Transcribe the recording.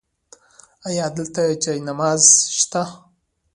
ایا دلته جای نماز شته؟